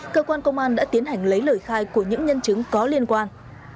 cơ quan công an đã tiến hành lấy lời khai của những nhân chứng có liên quan